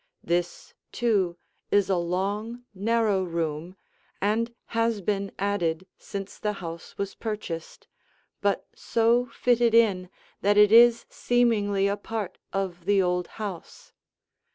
This, too, is a long, narrow room and has been added, since the house was purchased, but so fitted in that it is seemingly a part of the old house.